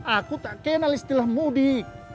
aku tak kenal istilah mudik